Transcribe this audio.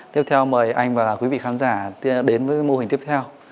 tiếp theo mời anh và quý vị khán giả đến với mô hình tiếp theo